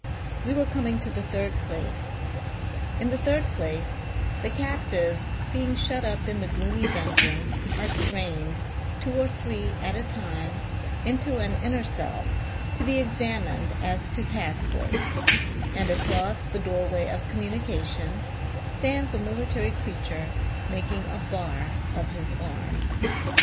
We were coming to the third place. In the third place, the captives, being shut up in the gloomy dungeon, are strained, two or three at a time, into an inner cell, to be examined as to passports ; and across the doorway of communication, stands a military creature making a bar of his arm.